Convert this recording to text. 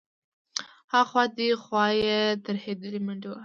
ها خوا دې خوا يې ترهېدلې منډې وهلې.